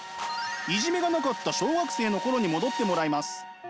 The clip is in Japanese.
いじめがなかった小学生の頃に戻ってもらいます。